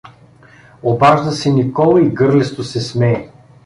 — обажда се Никола и гърлесто се смее.